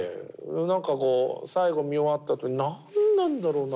なんかこう最後見終わったあとになんなんだろうな。